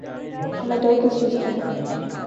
ہمیں ڈر کس چیز کا ہے؟